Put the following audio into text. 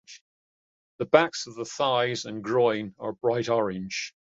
The backs of the thighs and groin are bright orange.